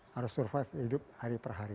harus survive hidup hari per hari